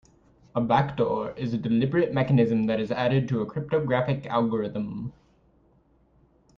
A backdoor is a deliberate mechanism that is added to a cryptographic algorithm.